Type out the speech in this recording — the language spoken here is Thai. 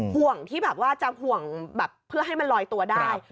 ห่วงที่แบบว่าจะห่วงแบบเพื่อให้มันลอยตัวได้